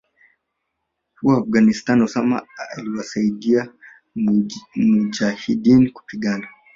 kuwa Afghanistan Osama aliwasaidia mujahideen kupigana